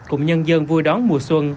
cùng nhân dân vui đón mùa xuân